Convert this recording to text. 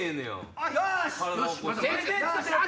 よし！